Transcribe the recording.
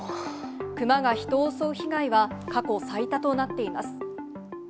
クマが人を襲う被害は過去最多となっています。